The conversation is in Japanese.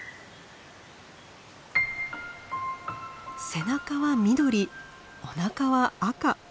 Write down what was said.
背中は緑おなかは赤。